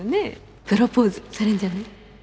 プロポーズされんじゃない？